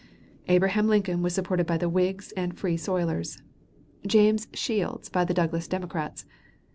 Abraham Lincoln was supported by the Whigs and Free soilers; James Shields by the Douglas Democrats.